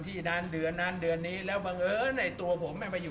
มีทั้งหมดเท่าไหร่สามร้อยร้านนะครับนะครับ